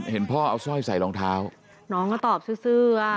เห็นพ่อเอาสร้อยใส่รองเท้าน้องก็ตอบเสื้อ